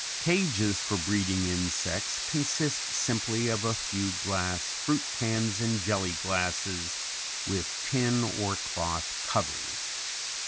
Cages for breeding insects consist simply of a few glass fruit cans and jelly glasses with tin or cloth covers.